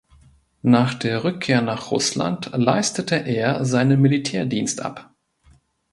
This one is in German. Nach der Rückkehr nach Russland leistete er seinen Militärdienst ab.